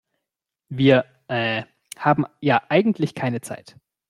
Wir, äh, haben ja eigentlich keine Zeit.